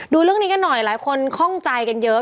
ดูเรื่องนี้กันหน่อยหลายคนคล่องใจกันเยอะ